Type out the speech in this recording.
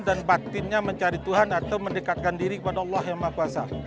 dan batinnya mencari tuhan atau mendekatkan diri kepada allah yang maha kuasa